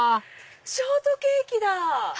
ショートケーキだ。